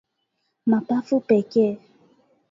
mapafu pekee